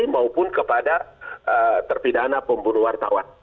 maupun kepada terpidana pembunuh wartawan